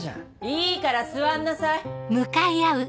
いいから座んなさい。